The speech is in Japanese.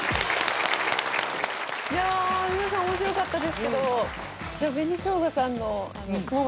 いや皆さん面白かったですけど紅しょうがさんの。の顔が。